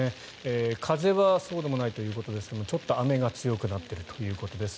風はそうでもないということですがちょっと雨が強くなっているということです。